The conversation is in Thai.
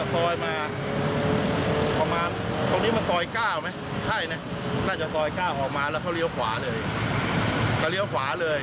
คันที่๓คือแท็กซี่ไอ้๕๖๕๒